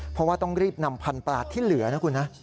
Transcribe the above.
เพราะว่าต้องรีบนำพันธุปลาที่เหลือนะคุณนะ